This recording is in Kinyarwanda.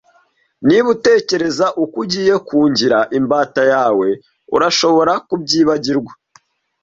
Niba utekereza ko ugiye kungira imbata yawe, urashobora kubyibagirwa.